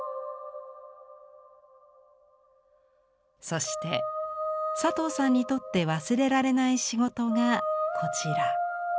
そして佐藤さんにとって忘れられない仕事がこちら。